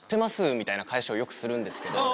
みたいな返しをよくするんですけど。